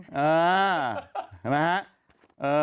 เห็นไหมฮะ